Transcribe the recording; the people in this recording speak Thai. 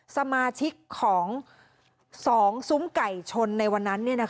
สมาชิกของ๒ซุ้มไก่ชนในวันนั้น